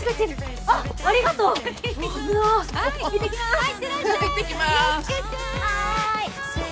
はい。